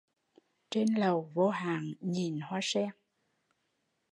Trên lầu vô hạn nhìn hoa sen